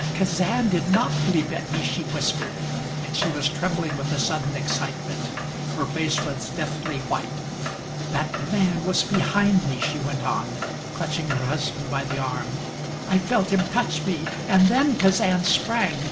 "Kazan did not leap at me," she whispered, and she was trembling with a sudden excitement. Her face was deathly white. "That man was behind me," she went on, clutching her husband by the arm. "I felt him touch me and then Kazan sprang.